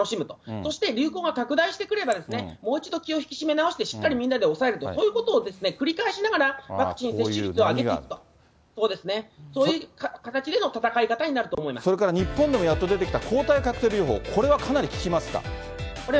そして流行が拡大してくれば、もう一度気を引き締め直してしっかりみんなで抑えると、こういうことを繰り返しながら、ワクチン接種率を上げていくと、そういう形での戦い方それから日本でもやっと出てきた抗体カクテル療法、これはかなり効きますか？